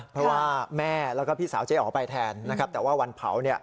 เพราะว่าแม่แล้วก็พี่สาวเจ๊อ๋อไปแทนนะครับแต่ว่าวันเผาเนี่ย